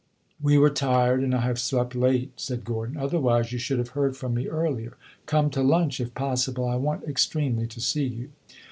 "We were tired, and I have slept late," said Gordon; "otherwise you should have heard from me earlier. Come to lunch, if possible. I want extremely to see you."